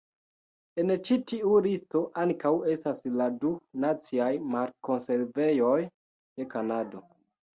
En ĉi tiu listo ankaŭ estas la du Naciaj Mar-Konservejoj de Kanado.